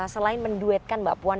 selain menduetkan mbak puan